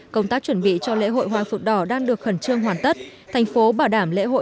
công tác chuẩn bị cho lễ hội hoa phượng đỏ đang được khẩn trương hoàn tất thành phố bảo đảm lễ hội